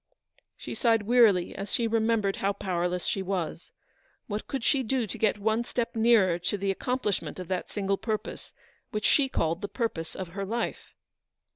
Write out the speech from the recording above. " She sighed wearily as she remembered how powerless she was. What could she do to get one step nearer to the accomplishment of that single purpose, which she called the purpose of her life